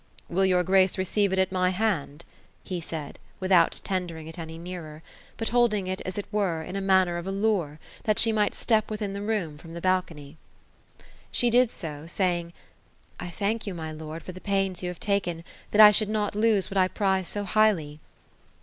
" Will your grace receive it at my hand ?" he said, without tendering it any nearer ; but holding it as it were, in manner of a lure, that she might step within the room from the balcony. She did so, saying :—^ I thank you, my lord, for the pains you have taken, that I should not lose what I prize so highly."